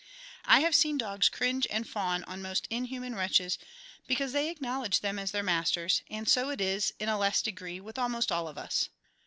I have seen dogs cringe and fawn on most inhuman wretches because they acknowledge them as their masters, and so it is, in a less degree, with almost all of us.